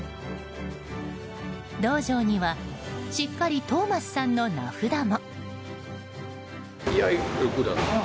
道場にはしっかりトーマスさんの名札も。